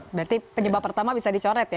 berarti penyebab pertama bisa dicoret ya